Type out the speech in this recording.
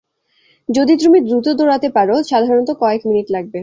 যদি তুমি দ্রুত দৌড়াতে পারো সাধারণত কয়েক মিনিট লাগবে।